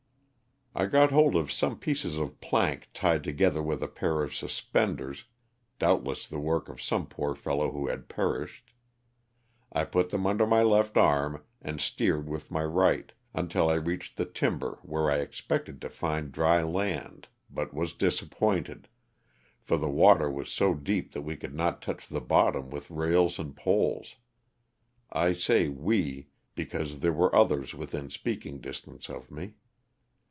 I got hold of some pieces of plank tied together with a pair of suspenders (doubtless the work of some poor fellow who had perished). I put them under my left arm and steered with my right, until I reached the timber where I expected to finddry land but was disappointed, for the water was so deep that we coula not touch the bottom with rails and poles (I say we because there were others within speaking distance of me).